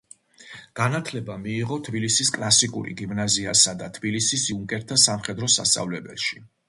განათლება მიიღო თბილისის კლასიკური გიმნაზიასა და თბილისის იუნკერთა სამხედრო სასწავლებელში.